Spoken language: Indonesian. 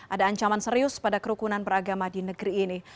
ada ancaman serius pada kerukunan beragama di negeri ini